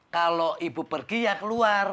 kalau ibu pergi ya keluar